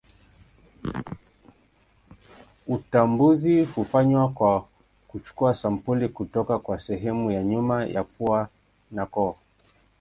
Utambuzi hufanywa kwa kuchukua sampuli kutoka kwa sehemu ya nyuma ya pua na koo.